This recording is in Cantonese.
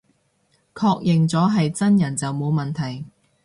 確認咗係真人就冇問題